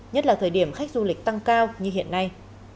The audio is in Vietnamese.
nhất là thời điểm khách du lịch tăng cao như hiện nay